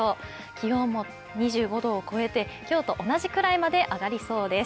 気温も２５度を超えて、今日と同じくらいまで上がりそうです。